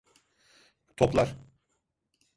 Toplar!